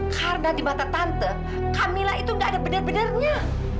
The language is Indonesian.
karena di mata tante kamila itu gak ada bener benernya